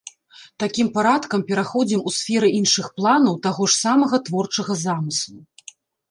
Такім парадкам пераходзім у сферы іншых планаў таго ж самага творчага замыслу.